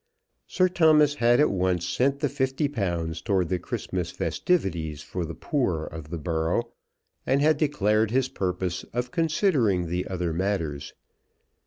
Sir Thomas had at once sent the £50 towards the Christmas festivities for the poor of the borough, and had declared his purpose of considering the other matters.